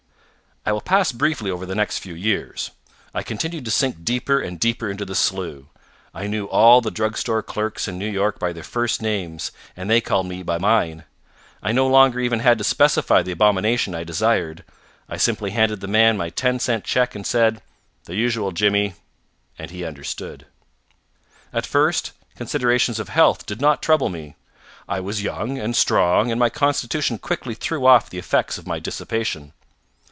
I will pass briefly over the next few years. I continued to sink deeper and deeper into the slough. I knew all the drugstore clerks in New York by their first names, and they called me by mine. I no longer even had to specify the abomination I desired. I simply handed the man my ten cent check and said: "The usual, Jimmy," and he understood. At first, considerations of health did not trouble me. I was young and strong, and my constitution quickly threw off the effects of my dissipation.